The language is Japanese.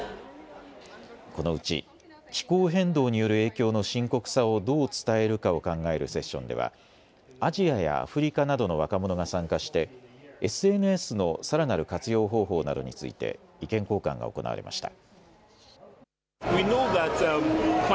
このうち気候変動による影響の深刻さをどう伝えるかを考えるセッションではアジアやアフリカなどの若者が参加してＳＮＳのさらなる活用方法などについて意見交換が行われました。